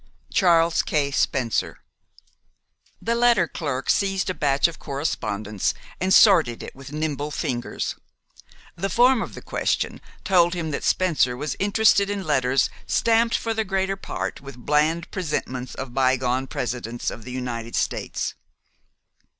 "Charles K. Spencer." The letter clerk seized a batch of correspondence and sorted it with nimble fingers. The form of the question told him that Spencer was interested in letters stamped for the greater part with bland presentments of bygone Presidents of the United States.